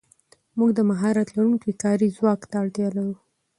موږ د مهارت لرونکي کاري ځواک ته اړتیا لرو.